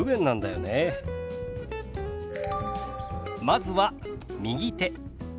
まずは「右手」。